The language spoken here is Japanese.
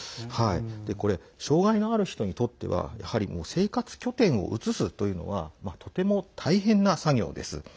これ、障害のある人にとってはやはり生活拠点を移すというのはとても大変な作業です。